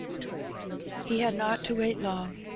He had not to wait long.